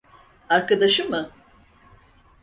Arkadaşı mı?